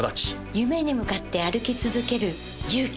夢に向かって歩き続ける勇気。